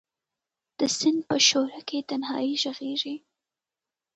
د سیند په شو رکې تنهایې ږغیږې